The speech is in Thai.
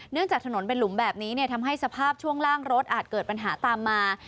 จากถนนเป็นหลุมแบบนี้ทำให้สภาพช่วงล่างรถอาจเกิดปัญหาตามมา